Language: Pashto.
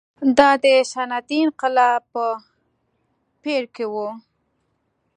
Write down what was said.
دا د صنعتي انقلاب په پېر کې و.